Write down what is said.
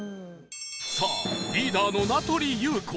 さあリーダーの名取裕子